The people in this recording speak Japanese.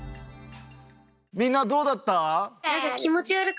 みんなどうだった？